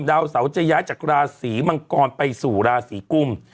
ดาวเสาจะย้ายจากราศีมังกรไปสู่ราศีกุม